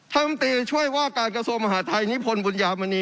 ถ้าอำตรีช่วยว่าการกระทรวงมหาดไทยนิพนธ์บุญยามณี